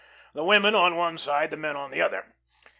The women on one side, the men on the other.